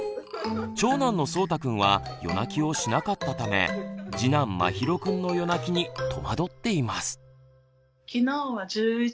長男のそうたくんは夜泣きをしなかったため次男まひろくんの夜泣きに戸惑っています。